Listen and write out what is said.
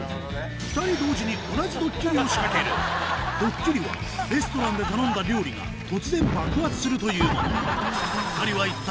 ２人同時に同じドッキリを仕掛けるドッキリはレストランで頼んだ料理が突然爆発するというもの